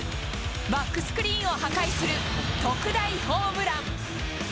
バックスクリーンを破壊する特大ホームラン。